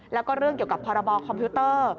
แล้วก็เรื่องเกี่ยวกับพรบคอมพิวเตอร์